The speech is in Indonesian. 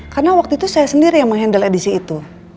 karena waktu itu saya sendiri yang mengendal edisi itu